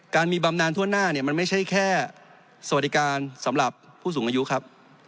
มีบำนานทั่วหน้าเนี่ยมันไม่ใช่แค่สวัสดิการสำหรับผู้สูงอายุครับ